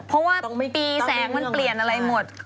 เพราะว่าปีแสงมันเปลี่ยนอะไรหมด